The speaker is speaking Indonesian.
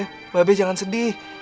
mba be jangan sedih